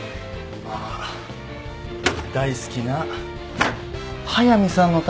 まあ大好きな速見さんのためか。